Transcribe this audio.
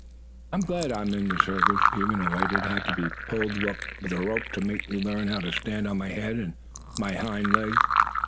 "I am glad I am in the circus, even if I did have to be pulled up with a rope to make me learn how to stand on my head and my hind legs."